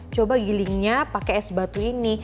coba gilingnya pakai es batu ini